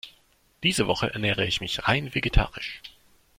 Diese Woche ernähre ich mich rein vegetarisch.